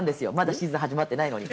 シーズン始まってないのに。